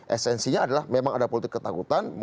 esensinya adalah memang ada politik ketakutan